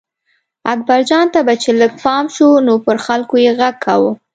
اکبرجان ته به چې لږ پام شو نو پر خلکو یې غږ کاوه.